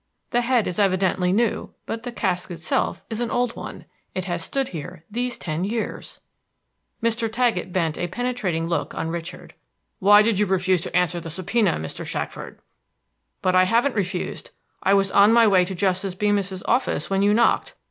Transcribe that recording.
The head is evidently new; but the cask itself is an old one. It has stood here these ten years." Mr. Taggett bent a penetrating look on Richard. "Why did you refuse to answer the subpoena, Mr. Shackford?" "But I haven't refused. I was on my way to Justice Beemis's office when you knocked.